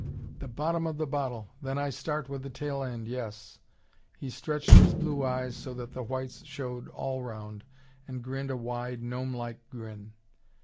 "The bottom of the bottle! Then I start with the tail end, yes!" He stretched his blue eyes so that the whites showed all round, and grinned a wide, gnome like grin.